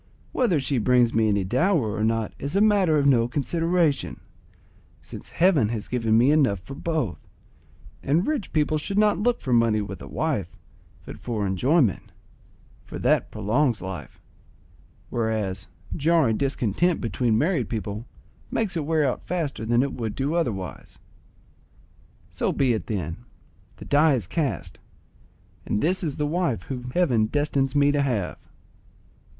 Whether she brings me any dower or not is a matter of no consideration, since Heaven has given me enough for both, and rich people should not look for money with a wife, but for enjoyment, for that prolongs life, whereas jarring discontent between married people makes it wear out faster than it would do otherwise. So be it then; the die is cast, and this is the wife whom heaven destines me to have."